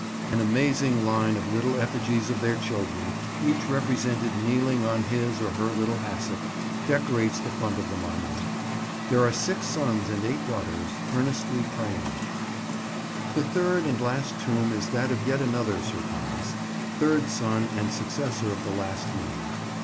An amazing line of little effigies of their children, each represented kneeling on his or her little hassock, decorates the front of the monument. There are six sons and eight daughters, earnestly praying. [Picture: Charlecote] The third and last tomb is that of yet another Sir Thomas, third son and successor of the last named.